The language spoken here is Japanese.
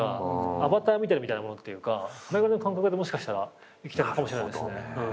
アバター見てるみたいなものっていうかそれぐらいの感覚でもしかしたら生きてるのかもしれないですね。